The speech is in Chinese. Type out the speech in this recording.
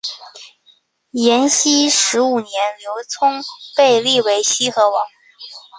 延熙十五年刘琮被立为西河王。